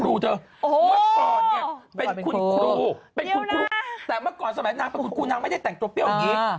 เมื่อก่อนเป็นคุณครูแต่เมื่อก่อนสมัยนางเป็นคุณครูนางไม่ได้แต่งตรงเปรี้ยวอย่างนี้